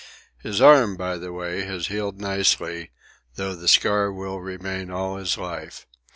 His arm, by the way, has healed nicely, though the scar will remain all his life.